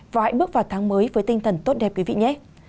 và hãy bước vào tháng mới với tinh thần tốt đẹp quý vị nhé